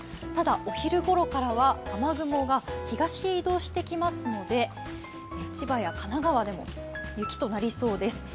ただ、お昼頃からは雨雲が東へ移動してきますので千葉や神奈川でも雪となりそうです。